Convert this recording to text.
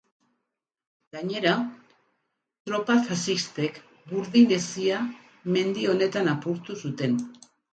Gainera, tropa faxistek Burdin Hesia mendi honetan apurtu zuten.